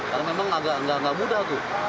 karena memang agak agak mudah tuh